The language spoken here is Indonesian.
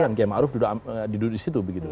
kan gaya ma'ruf diduduk disitu begitu